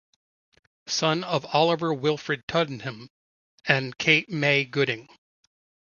Son of Oliver Wilfrid Tuddenham and Kate May Gooding.